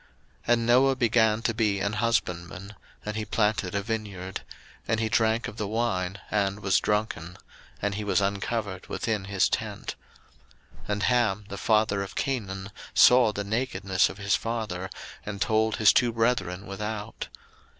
01:009:020 And Noah began to be an husbandman, and he planted a vineyard: 01:009:021 And he drank of the wine, and was drunken; and he was uncovered within his tent. 01:009:022 And Ham, the father of Canaan, saw the nakedness of his father, and told his two brethren without.